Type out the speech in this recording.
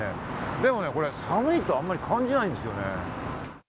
でも寒いとあまり感じないんですよね。